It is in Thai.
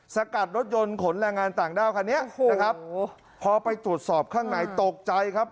สกัดรถยนต์ขนแรงงานต่างด้าวคันนี้นะครับพอไปตรวจสอบข้างในตกใจครับ